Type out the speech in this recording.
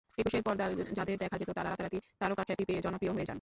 একুশের পর্দায় যাঁদের দেখা যেত, তাঁরা রাতারাতি তারকাখ্যাতি পেয়ে জনপ্রিয় হয়ে যান।